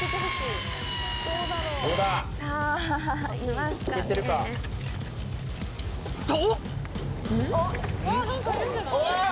さぁいますかね？と！